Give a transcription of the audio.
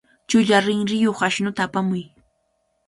Chulla rinriyuq ashnuta apamuy.